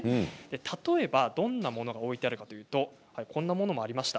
例えばどんなものが置いてあるかというとこんなものがありました。